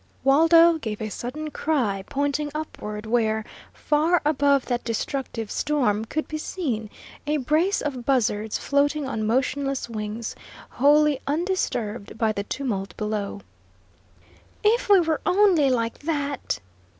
Waldo gave a sudden cry, pointing upward where, far above that destructive storm, could be seen a brace of buzzards floating on motionless wings, wholly undisturbed by the tumult below. "If we were only like that!"